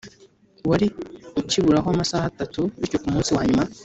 wari ukiburaho amasaha atatu Bityo ku munsi wa nyuma